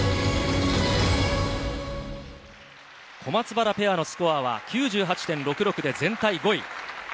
小松原ペアのスコアは９８．６６で全体５位。